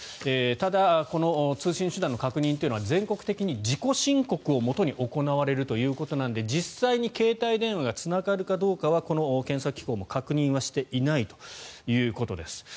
ただこの通信手段の確認というのは全国的に自己申告をもとに行われるということなので実際に携帯電話がつながるかどうかはこの検査機構も確認はしていないということです。